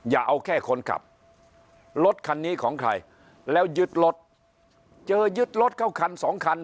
อย่าเอาแค่คนขับรถคันนี้ของใครแล้วยึดรถเจอยึดรถเข้าคันสองคัน